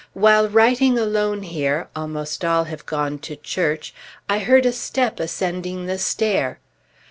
While writing alone here (almost all have gone to church), I heard a step ascending the stair.